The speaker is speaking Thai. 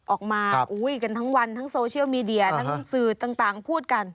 ออกมากันทั้งวันทั้งโซเชียลมีเดียทั้งสื่อต่างพูดกัน